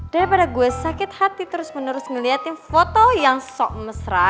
daripada gue sakit hati terus menerus ngeliatin foto yang sok mesra